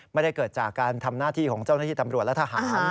ไม่ได้เกิดจากการทำหน้าที่ของเจ้าหน้าที่ตำรวจและทหาร